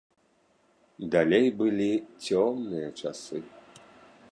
Далей былі цёмныя часы.